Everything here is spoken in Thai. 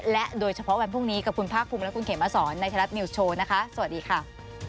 และโดยเฉพาะวันพรุ่งนี้กับคุณภาคภูมิและคุณเขมสอนในไทยรัฐนิวส์โชว์นะคะสวัสดีค่ะ